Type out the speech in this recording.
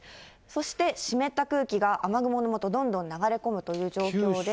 そして湿った空気が雨雲のもとどんどん流れ込むという状況で。